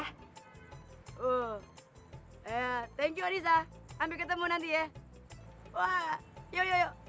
oh ya thank you anissa ambil ketemu nanti ya wah yoyoyo